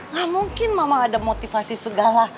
gak mungkin mama ada motivasi segala